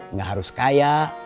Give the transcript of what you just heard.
nggak harus kaya